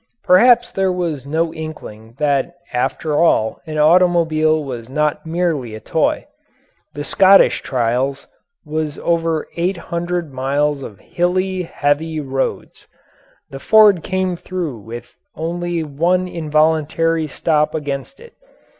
Perhaps there was no inkling that after all an automobile was not merely a toy. The Scottish Trials was over eight hundred miles of hilly, heavy roads. The Ford came through with only one involuntary stop against it.